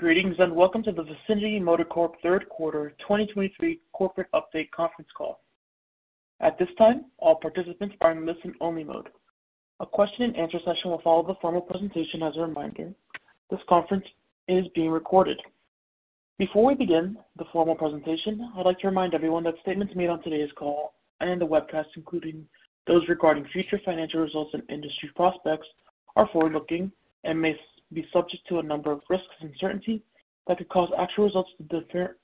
Greetings, and welcome to the Vicinity Motor Corp. third quarter 2023 corporate update conference call. At this time, all participants are in listen-only mode. A question and answer session will follow the formal presentation as a reminder. This conference is being recorded. Before we begin the formal presentation, I'd like to remind everyone that statements made on today's call and the webcast, including those regarding future financial results and industry prospects, are forward-looking and may be subject to a number of risks and uncertainty that could cause actual results to differ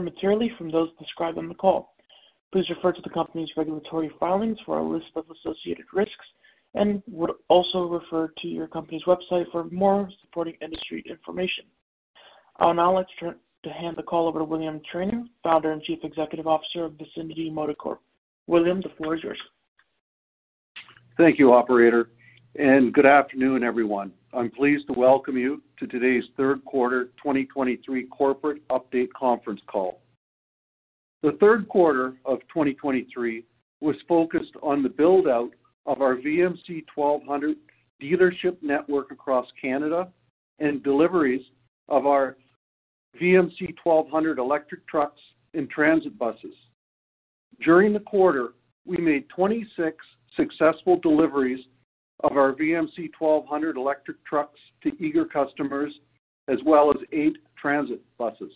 materially from those described on the call. Please refer to the company's regulatory filings for a list of associated risks, and would also refer to your company's website for more supporting industry information. I'll now like to hand the call over to William Trainer, founder and Chief Executive Officer of Vicinity Motor Corp. William, the floor is yours. Thank you, operator, and good afternoon, everyone. I'm pleased to welcome you to today's third quarter 2023 corporate update conference call. The third quarter of 2023 was focused on the build-out of our VMC 1200 dealership network across Canada and deliveries of our VMC 1200 electric trucks and transit buses. During the quarter, we made 26 successful deliveries of our VMC 1200 electric trucks to eager customers, as well as eight transit buses.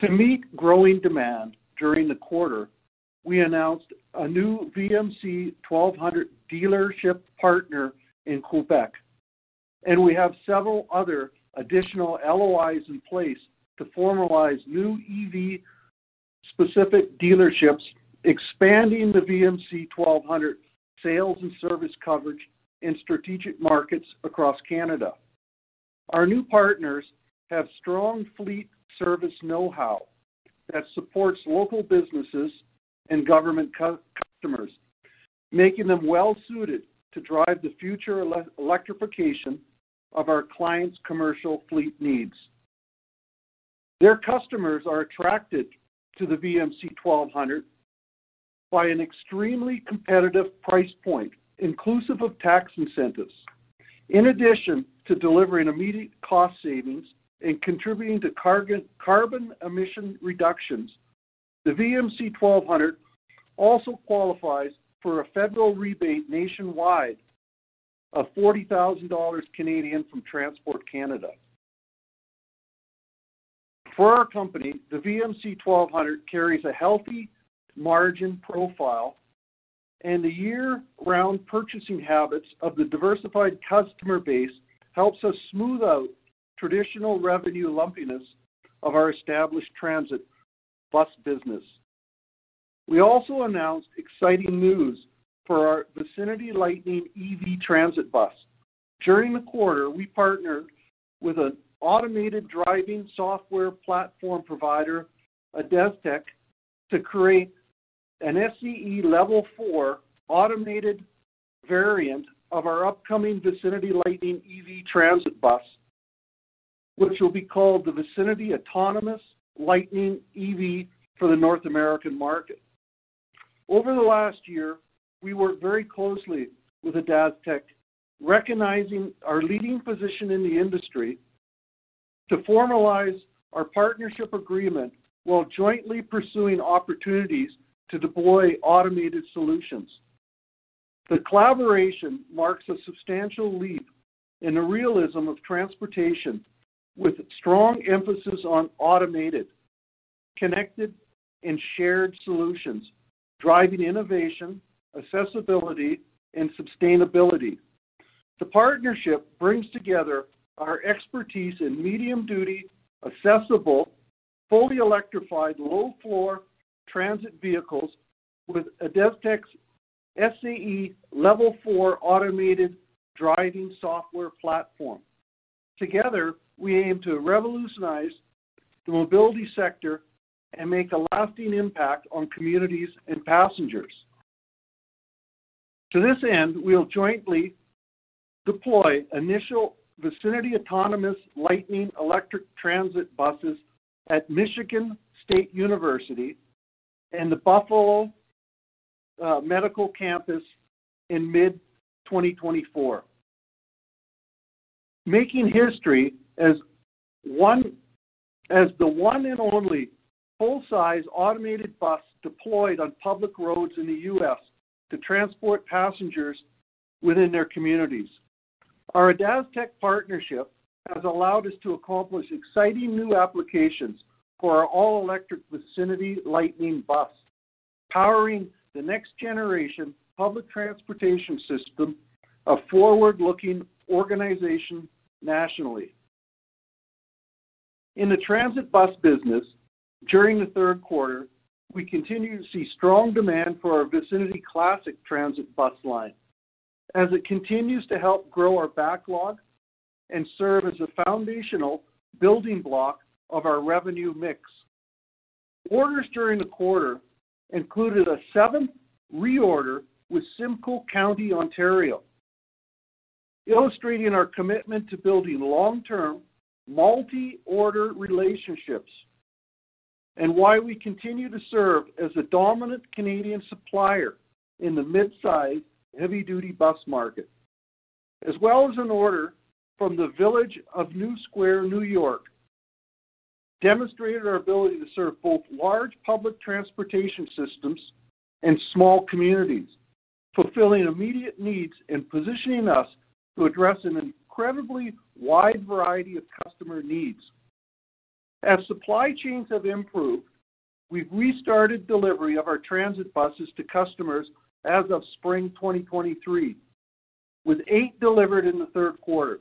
To meet growing demand during the quarter, we announced a new VMC 1200 dealership partner in Quebec, and we have several other additional LOIs in place to formalize new EV-specific dealerships, expanding the VMC 1200 sales and service coverage in strategic markets across Canada. Our new partners have strong fleet service know-how that supports local businesses and government customers, making them well suited to drive the future electrification of our clients' commercial fleet needs. Their customers are attracted to the VMC 1200 by an extremely competitive price point, inclusive of tax incentives. In addition to delivering immediate cost savings and contributing to carbon emission reductions, the VMC 1200 also qualifies for a federal rebate nationwide of 40,000 Canadian dollars from Transport Canada. For our company, the VMC 1200 carries a healthy margin profile, and the year-round purchasing habits of the diversified customer base helps us smooth out traditional revenue lumpiness of our established transit bus business. We also announced exciting news for our Vicinity Lightning EV transit bus. During the quarter, we partnered with an automated driving software platform provider, ADASTEC, to create an SAE Level 4 automated variant of our upcoming Vicinity Lightning EV transit bus, which will be called the Vicinity Autonomous Lightning EV for the North American market. Over the last year, we worked very closely with ADASTEC, recognizing our leading position in the industry, to formalize our partnership agreement while jointly pursuing opportunities to deploy automated solutions. The collaboration marks a substantial leap in the realism of transportation, with strong emphasis on automated, connected, and shared solutions, driving innovation, accessibility, and sustainability. The partnership brings together our expertise in medium-duty, accessible, fully electrified, low-floor transit vehicles with ADASTEC's SAE Level 4 automated driving software platform. Together, we aim to revolutionize the mobility sector and make a lasting impact on communities and passengers. To this end, we'll jointly deploy initial Vicinity Autonomous Lightning electric transit buses at Michigan State University and the Buffalo Medical Campus in mid-2024, making history as the one and only full-size automated bus deployed on public roads in the U.S. to transport passengers within their communities. Our ADASTEC partnership has allowed us to accomplish exciting new applications for our all-electric Vicinity Lightning bus, powering the next generation public transportation system, a forward-looking organization nationally. In the transit bus business, during the third quarter, we continued to see strong demand for our Vicinity Classic transit bus line as it continues to help grow our backlog and serve as a foundational building block of our revenue mix. Orders during the quarter included a seventh reorder with Simcoe County, Ontario, illustrating our commitment to building long-term, multi-order relationships. And why we continue to serve as the dominant Canadian supplier in the mid-size, heavy-duty bus market, as well as an order from the Village of New Square, New York, demonstrated our ability to serve both large public transportation systems and small communities, fulfilling immediate needs and positioning us to address an incredibly wide variety of customer needs. As supply chains have improved, we've restarted delivery of our transit buses to customers as of Spring 2023, with eight delivered in the third quarter.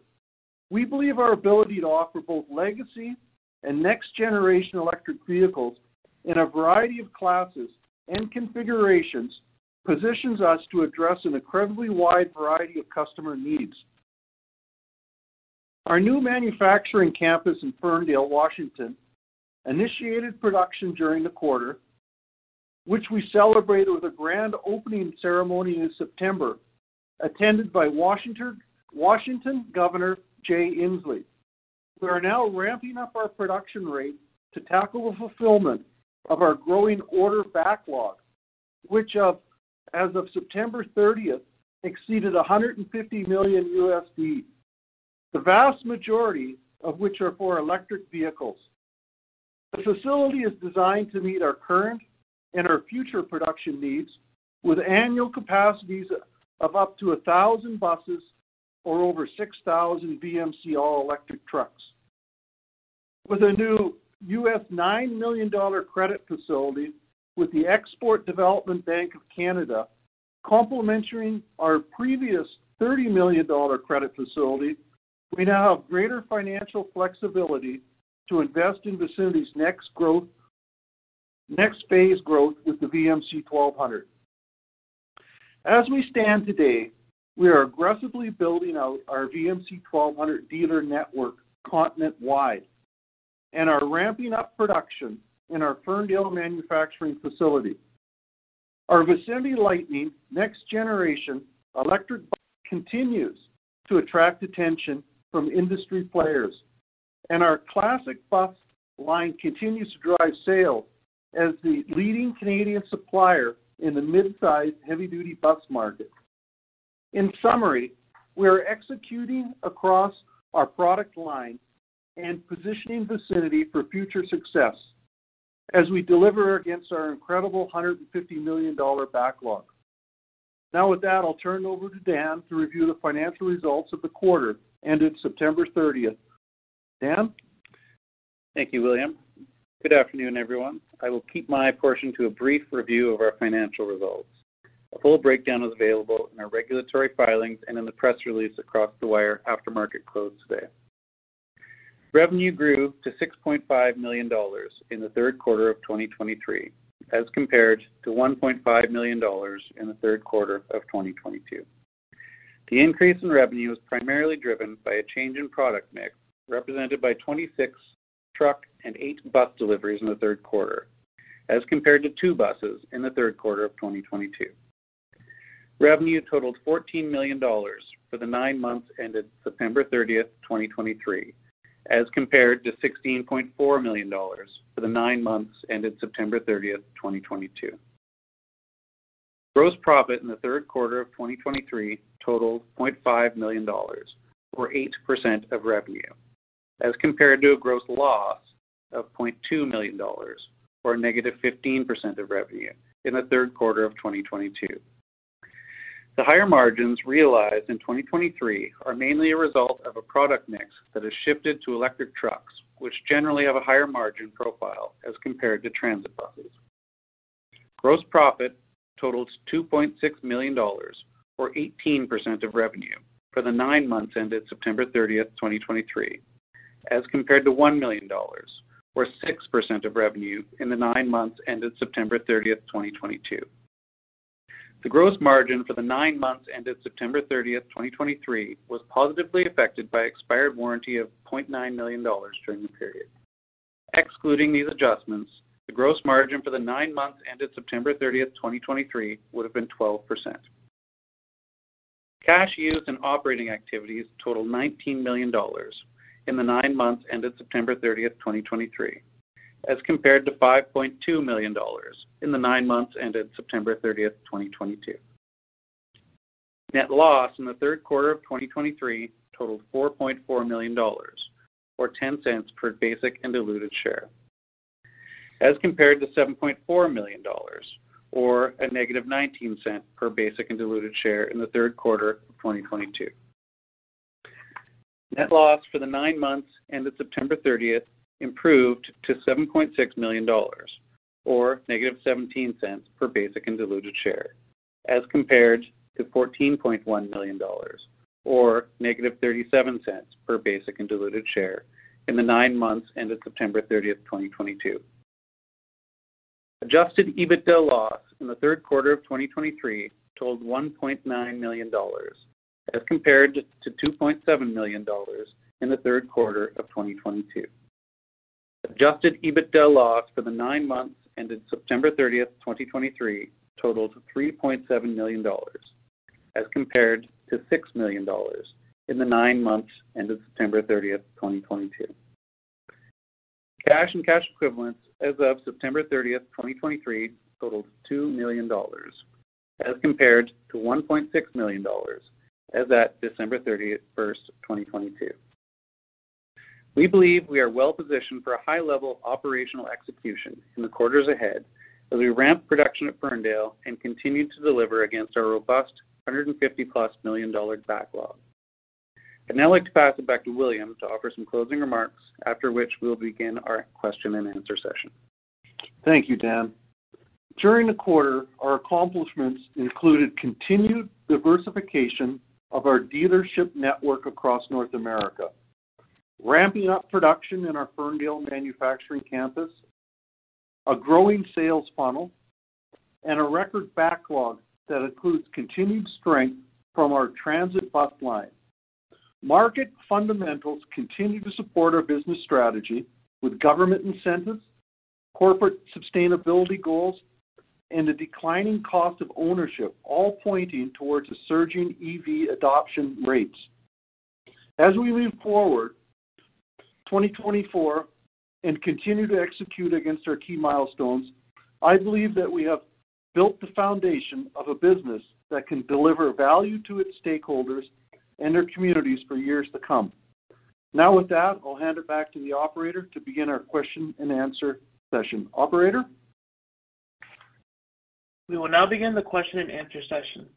We believe our ability to offer both legacy and next-generation electric vehicles in a variety of classes and configurations, positions us to address an incredibly wide variety of customer needs. Our new manufacturing campus in Ferndale, Washington, initiated production during the quarter, which we celebrated with a grand opening ceremony in September, attended by Washington Governor Jay Inslee. We are now ramping up our production rate to tackle the fulfillment of our growing order backlog, which, as of September 30th, exceeded $150 million, the vast majority of which are for electric vehicles. The facility is designed to meet our current and our future production needs, with annual capacities of up to 1,000 buses or over 6,000 VMC all-electric trucks. With a new $9 million credit facility with Export Development Canada, complementing our previous $30 million credit facility, we now have greater financial flexibility to invest in Vicinity's next growth, next phase growth with the VMC 1200. As we stand today, we are aggressively building out our VMC 1200 dealer network continent-wide and are ramping up production in our Ferndale manufacturing facility. Our Vicinity Lightning next generation electric bus continues to attract attention from industry players, and our classic bus line continues to drive sales as the leading Canadian supplier in the mid-size, heavy-duty bus market. In summary, we are executing across our product line and positioning Vicinity for future success as we deliver against our incredible $150 million backlog. Now, with that, I'll turn it over to Dan to review the financial results of the quarter ended September thirtieth. Dan? Thank you, William. Good afternoon, everyone. I will keep my portion to a brief review of our financial results. A full breakdown is available in our regulatory filings and in the press release across the wire after market close today. Revenue grew to $6.5 million in the third quarter of 2023, as compared to $1.5 million in the third quarter of 2022. The increase in revenue was primarily driven by a change in product mix, represented by 26 truck and eight bus deliveries in the third quarter, as compared to two buses in the third quarter of 2022. Revenue totaled $14 million for the nine months ended September 30, 2023, as compared to $16.4 million for the nine months ended September 30, 2022. Gross profit in the third quarter of 2023 totaled $0.5 million, or 8% of revenue, as compared to a gross loss of $0.2 million, or a negative 15% of revenue in the third quarter of 2022. The higher margins realized in 2023 are mainly a result of a product mix that has shifted to electric trucks, which generally have a higher margin profile as compared to transit buses. Gross profit totaled $2.6 million, or 18% of revenue, for the nine months ended September 30th, 2023, as compared to $1 million, or 6% of revenue in the nine months ended September 30th, 2022. The gross margin for the nine months ended September 30th, 2023, was positively affected by expired warranty of $0.9 million during the period. Excluding these adjustments, the gross margin for the nine months ended September 30, 2023, would have been 12%. Cash used in operating activities totaled $19 million in the nine months ended September 30th, 2023, as compared to $5.2 million in the nine months ended September 30th, 2022. Net loss in the third quarter of 2023 totaled $4.4 million, or $0.10 per basic and diluted share, as compared to $7.4 million, or -$0.19 per basic and diluted share in the third quarter of 2022. Net loss for the nine months ended September 30th improved to $7.6 million, or -17 cents per basic and diluted share, as compared to $14.1 million, or -37 cents per basic and diluted share in the nine months ended September 30th, 2022. Adjusted EBITDA loss in the third quarter of 2023 totaled $1.9 million, as compared to $2.7 million in the third quarter of 2022. Adjusted EBITDA loss for the nine months ended September 30th, 2023, totaled $3.7 million, as compared to $6 million in the nine months ended September 30th, 2022. Cash and cash equivalents as of September 30th, 2023, totaled $2 million, as compared to $1.6 million as at December 31st, 2022. We believe we are well positioned for a high level of operational execution in the quarters ahead, as we ramp production at Ferndale and continue to deliver against our robust $150+ million backlog. I'd now like to pass it back to William to offer some closing remarks, after which we will begin our question and answer session. Thank you, Dan. During the quarter, our accomplishments included continued diversification of our dealership network across North America, ramping up production in our Ferndale manufacturing campus, a growing sales funnel, and a record backlog that includes continued strength from our transit bus line. Market fundamentals continue to support our business strategy with government incentives, corporate sustainability goals, and a declining cost of ownership, all pointing towards a surging EV adoption rates. As we move forward, 2024, and continue to execute against our key milestones, I believe that we have built the foundation of a business that can deliver value to its stakeholders and their communities for years to come. Now, with that, I'll hand it back to the operator to begin our question and answer session. Operator? We will now begin the question and answer session.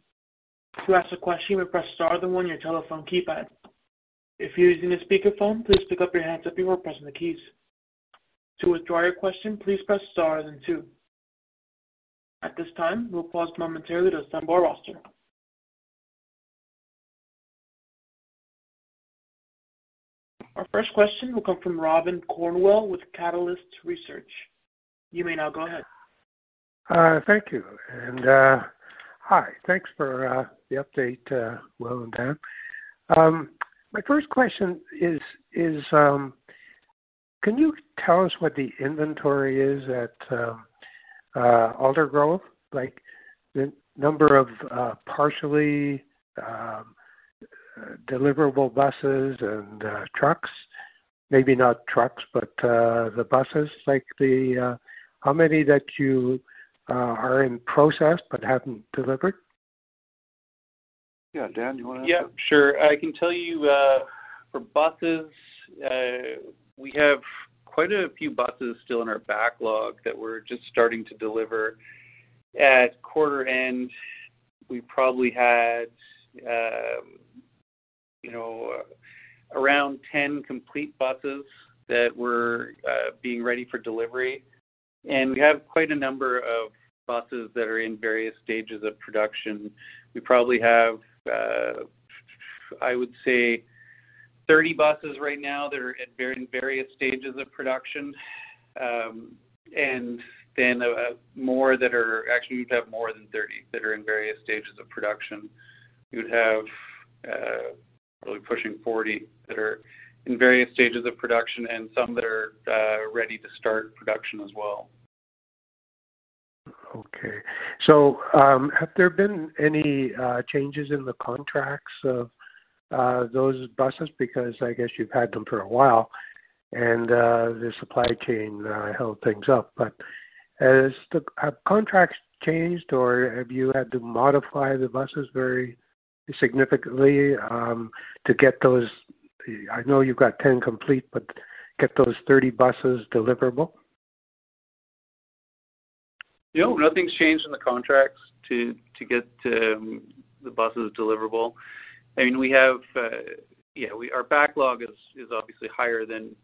To ask a question, press star then one on your telephone keypad. If you're using a speakerphone, please pick up your handset before pressing the keys. To withdraw your question, please press star then two. At this time, we'll pause momentarily to assemble our roster. Our first question will come from Robin Cornwell with Catalyst Research. You may now go ahead. Thank you, and hi. Thanks for the update, Will and Dan. My first question is, can you tell us what the inventory is at Aldergrove? Like, the number of partially deliverable buses and trucks. Maybe not trucks, but the buses, like, how many that you are in process but haven't delivered? Yeah, Dan, you wanna answer? Yeah, sure. I can tell you, for buses, we have quite a few buses still in our backlog that we're just starting to deliver. At quarter end, we probably had, you know, around 10 complete buses that were being ready for delivery, and we have quite a number of buses that are in various stages of production. We probably have, I would say 30 buses right now that are in various stages of production. Actually, we'd have more than 30 that are in various stages of production. We'd have, really pushing 40 that are in various stages of production and some that are ready to start production as well. Okay. So, have there been any changes in the contracts of those buses? Because I guess you've had them for a while, and the supply chain held things up. But have contracts changed, or have you had to modify the buses very significantly to get those, I know you've got 10 complete, but get those 30 buses deliverable? No, nothing's changed in the contracts to get the buses deliverable. I mean, we have, yeah, our backlog is obviously higher than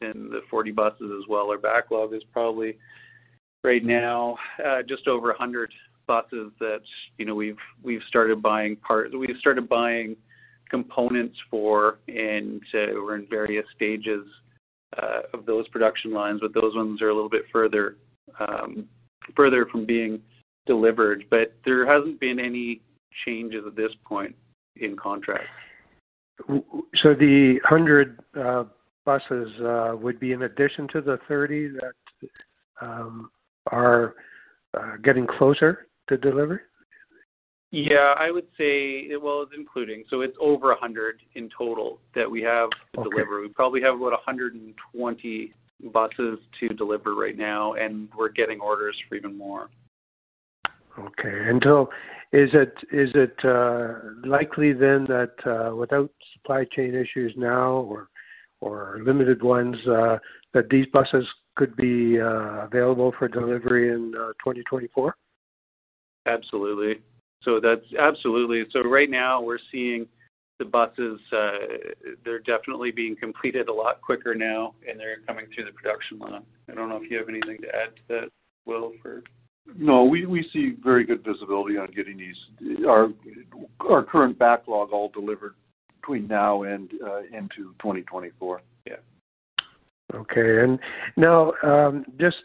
the 40 buses as well. Our backlog is probably, right now, just over 100 buses that, you know, we've started buying components for, and so we're in various stages of those production lines, but those ones are a little bit further from being delivered, but there hasn't been any changes at this point in contracts. So the 100 buses would be in addition to the 30 that are getting closer to delivery? Yeah, I would say... Well, including, so it's over 100 in total that we have to deliver. Okay. We probably have about 120 buses to deliver right now, and we're getting orders for even more. Okay. And so is it likely then that, without supply chain issues now or limited ones, that these buses could be available for delivery in 2024? Absolutely. So that's absolutely. So right now we're seeing the buses, they're definitely being completed a lot quicker now, and they're coming through the production line. I don't know if you have anything to add to that, Will, for- No, we, we see very good visibility on getting these. Our, our current backlog all delivered between now and into 2024. Yeah. Okay. And now, just,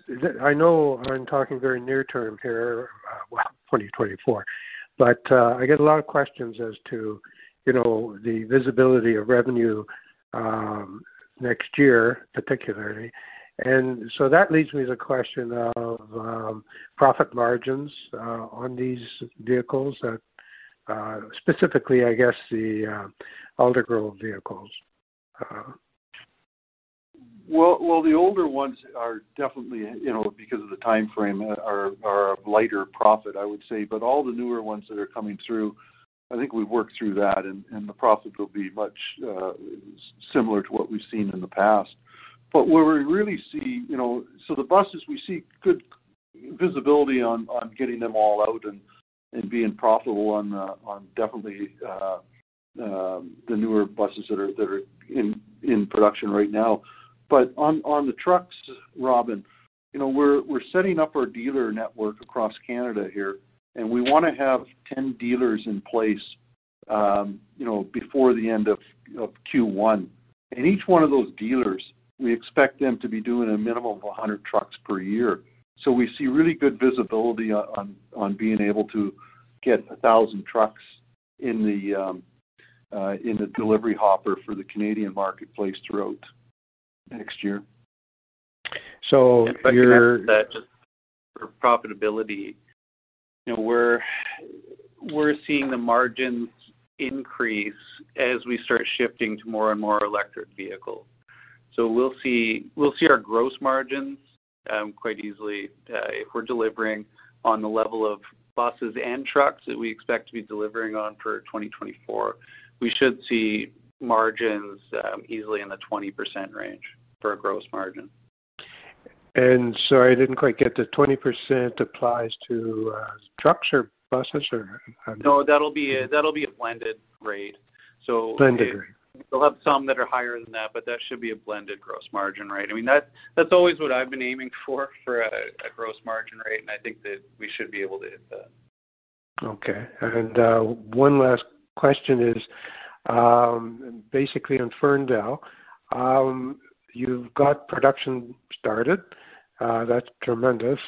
I know I'm talking very near term here, well, 2024, but, I get a lot of questions as to, you know, the visibility of revenue next year, particularly. And so that leads me to the question of profit margins on these vehicles that, specifically, I guess, the Aldergrove vehicles. Well, well, the older ones are definitely, you know, because of the time frame, a lighter profit, I would say. But all the newer ones that are coming through, I think we've worked through that, and the profit will be much similar to what we've seen in the past. But where we really see, you know—so the buses, we see good visibility on getting them all out and being profitable on definitely the newer buses that are in production right now. But on the trucks, Robin, you know, we're setting up our dealer network across Canada here, and we want to have 10 dealers in place, you know, before the end of Q1. Each one of those dealers, we expect them to be doing a minimum of 100 trucks per year. So we see really good visibility on being able to get 1,000 trucks in the delivery hopper for the Canadian marketplace throughout next year. So you're- If I can add to that, just for profitability, you know, we're seeing the margins increase as we start shifting to more and more electric vehicles. So we'll see our gross margins quite easily. If we're delivering on the level of buses and trucks that we expect to be delivering on for 2024, we should see margins easily in the 20% range for a gross margin. Sorry, I didn't quite get the 20% applies to trucks or buses, or how do you- No, that'll be a blended rate. So- Blended rate. We'll have some that are higher than that, but that should be a blended gross margin rate. I mean, that, that's always what I've been aiming for, for a gross margin rate, and I think that we should be able to hit that. Okay. One last question is basically on Ferndale. You've got production started. That's tremendous.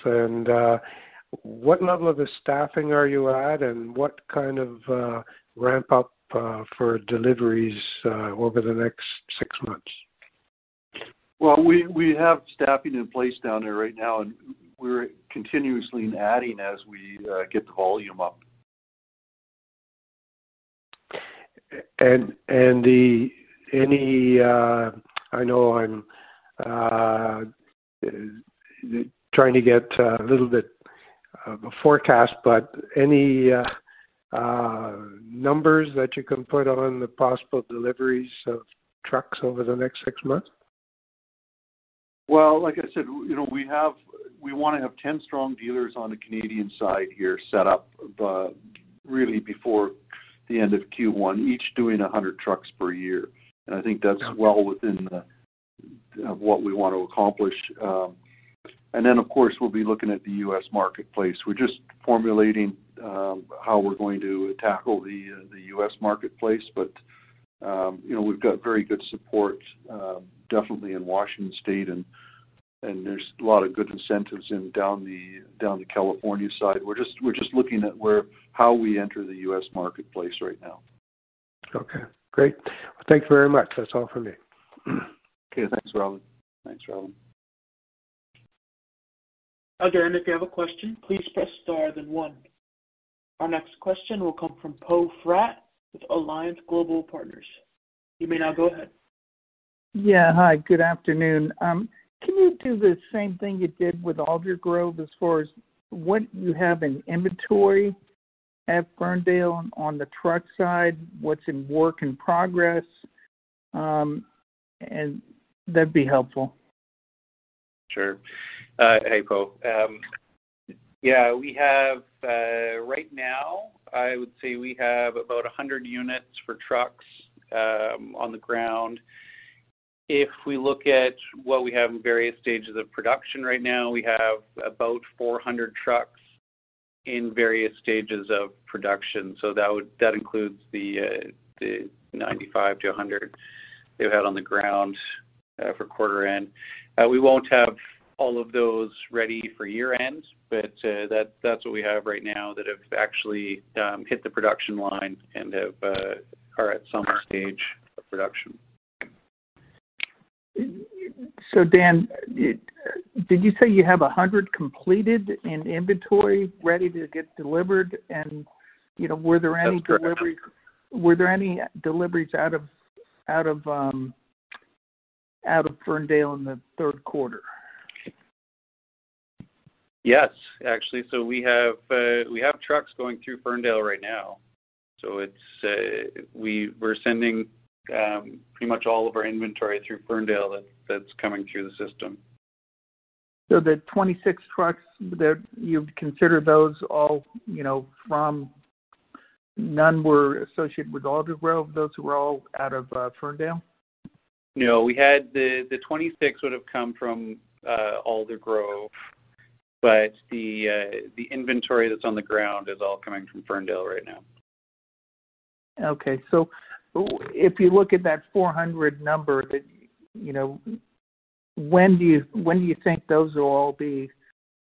What level of the staffing are you at, and what kind of ramp up for deliveries over the next six months? Well, we have staffing in place down there right now, and we're continuously adding as we get the volume up. And any, I know I'm trying to get a little bit of a forecast, but any numbers that you can put on the possible deliveries of trucks over the next six months? Well, like I said, you know, we want to have 10 strong dealers on the Canadian side here set up, really before the end of Q1, each doing 100 trucks per year. Yeah. I think that's well within what we want to accomplish. And then, of course, we'll be looking at the U.S. marketplace. We're just formulating how we're going to tackle the U.S. marketplace. But you know, we've got very good support, definitely in Washington State, and there's a lot of good incentives down in the California side. We're just looking at where and how we enter the U.S. marketplace right now. Okay, great. Thank you very much. That's all for me. Okay. Thanks, Robin. Thanks, Robin. Again, if you have a question, please press star, then one. Our next question will come from Poe Fratt with Alliance Global Partners. You may now go ahead. Yeah, hi, good afternoon. Can you do the same thing you did with Aldergrove as far as what you have in inventory at Ferndale on the truck side, what's in work, in progress? And that'd be helpful. Sure. Hey, Poe. Yeah, we have, right now, I would say we have about 100 units for trucks on the ground. If we look at what we have in various stages of production right now, we have about 400 trucks in various stages of production. So that would - that includes the 95-100 we've had on the ground for quarter end. We won't have all of those ready for year-end, but that, that's what we have right now that have actually hit the production line and are at some stage of production. So Dan, did you say you have 100 completed in inventory, ready to get delivered? And, you know, were there any deliveries- That's correct. Were there any deliveries out of Ferndale in the third quarter? Yes, actually. So we have trucks going through Ferndale right now. So it's, we're sending pretty much all of our inventory through Ferndale that's coming through the system. So the 26 trucks that you'd consider those all, you know, from... None were associated with Aldergrove. Those were all out of Ferndale? No, we had the 26 would have come from Aldergrove, but the inventory that's on the ground is all coming from Ferndale right now. Okay. So if you look at that 400 number that you know, when do you think those will all be,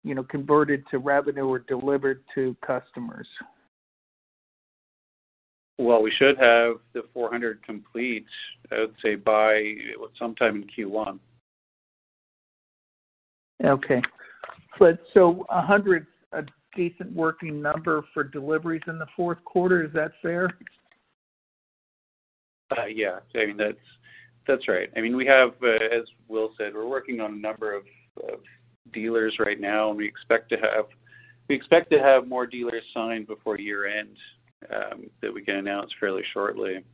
you know, converted to revenue or delivered to customers?... Well, we should have the 400 complete, I would say, by, well, sometime in Q1. Okay. But so 100, a decent working number for deliveries in the fourth quarter, is that fair? Yeah. I mean, that's right. I mean, we have, as Will said, we're working on a number of dealers right now, and we expect to have more dealers signed before year-end, that we can announce fairly shortly.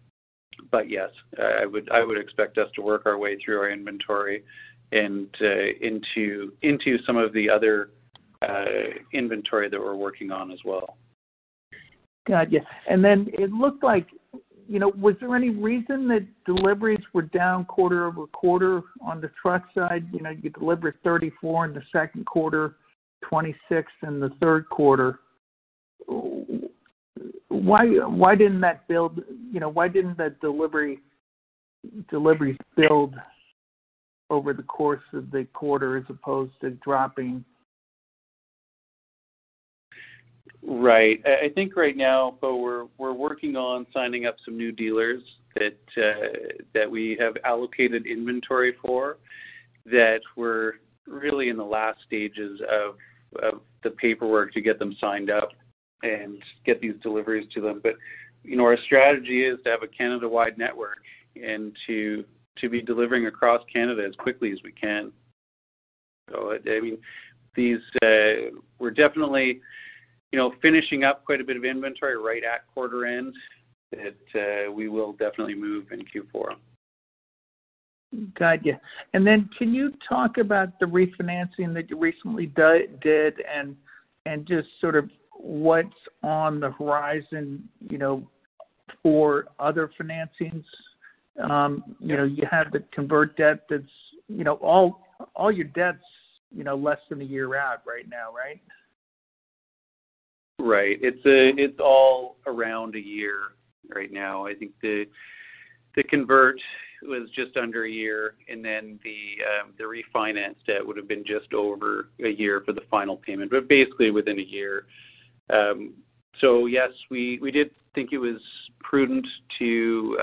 But yes, I would expect us to work our way through our inventory and into some of the other inventory that we're working on as well. Got you. And then it looked like, you know, was there any reason that deliveries were down quarter-over-quarter on the truck side? You know, you delivered 34 in the second quarter, 26 in the third quarter. Why, why didn't that build, you know, why didn't that delivery build over the course of the quarter as opposed to dropping? Right. I think right now, Bo, we're working on signing up some new dealers that we have allocated inventory for, that we're really in the last stages of the paperwork to get them signed up and get these deliveries to them. But, you know, our strategy is to have a Canada-wide network and to be delivering across Canada as quickly as we can. So, I mean, these, we're definitely, you know, finishing up quite a bit of inventory right at quarter end, that we will definitely move in Q4. Got you. And then can you talk about the refinancing that you recently did, and just sort of what's on the horizon, you know, for other financings? You know, you have the convert debt that's, you know, all your debts, you know, less than a year out right now, right? Right. It's all around a year right now. I think the convert was just under a year, and then the refinance debt would have been just over a year for the final payment, but basically within a year. So yes, we did think it was prudent to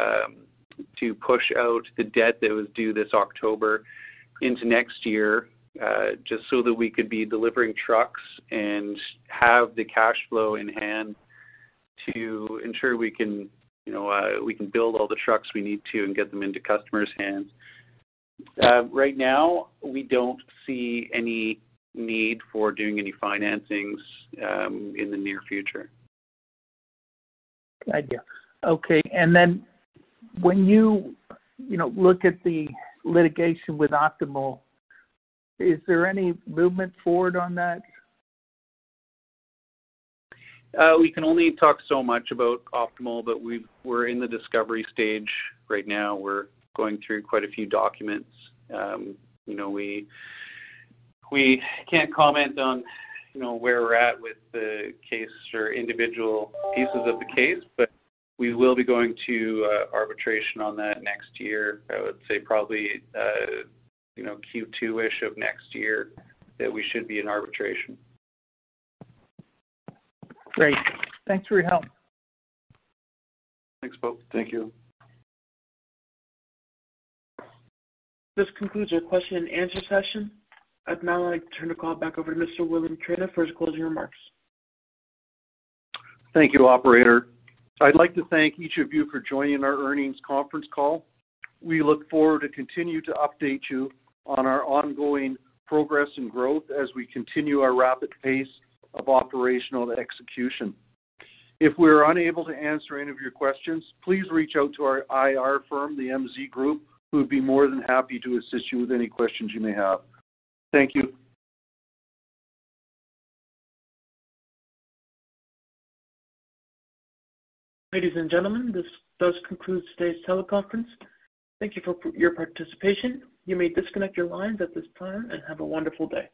push out the debt that was due this October into next year, just so that we could be delivering trucks and have the cash flow in hand to ensure we can, you know, we can build all the trucks we need to and get them into customers' hands. Right now, we don't see any need for doing any financings in the near future. Got you. Okay, and then when you, you know, look at the litigation with Optimal, is there any movement forward on that? We can only talk so much about Optimal, but we're in the discovery stage right now. We're going through quite a few documents. You know, we can't comment on, you know, where we're at with the case or individual pieces of the case, but we will be going to arbitration on that next year. I would say probably, you know, Q2-ish of next year, that we should be in arbitration. Great. Thanks for your help. Thanks, Poe. Thank you. This concludes our question and answer session. I'd now like to turn the call back over to Mr. William Trainer for his closing remarks. Thank you, operator. I'd like to thank each of you for joining our earnings conference call. We look forward to continue to update you on our ongoing progress and growth as we continue our rapid pace of operational execution. If we're unable to answer any of your questions, please reach out to our IR firm, the MZ Group, who would be more than happy to assist you with any questions you may have. Thank you. Ladies and gentlemen, this does conclude today's teleconference. Thank you for your participation. You may disconnect your lines at this time, and have a wonderful day.